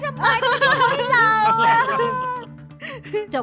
ทำไมถึงเลือกเต้นที่หนา